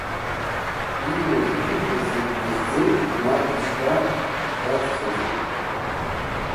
Ииуз, ииҳәаз зегь ихьӡеит, март ԥшьба дацҟьаӡеит.